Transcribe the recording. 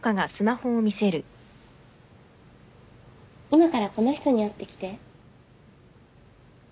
今からこの人に会ってきて